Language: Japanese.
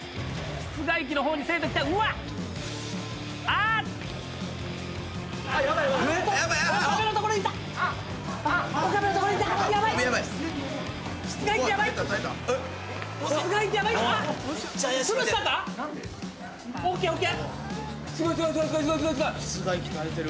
・室外機耐えてる。